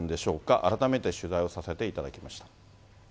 改めて取材をさせていただきました。